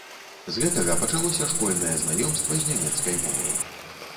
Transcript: З гэтага пачалося школьнае знаёмства з нямецкай мовай.